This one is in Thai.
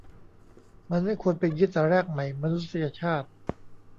มันไม่ควรเป็นงี้แต่แรกไหม มนุษยชาติ